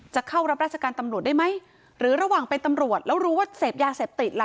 จะเข้ารับราชการตำรวจได้ไหมหรือระหว่างเป็นตำรวจแล้วรู้ว่าเสพยาเสพติดล่ะ